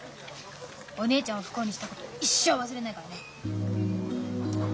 お姉ちゃんを不幸にしたこと一生忘れないからね。